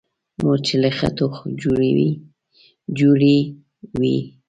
مورچې له خټو جوړې وي.